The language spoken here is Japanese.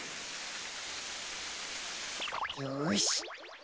よし。